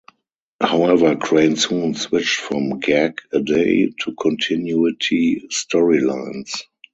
However, Crane soon switched from gag-a-day to continuity storylines.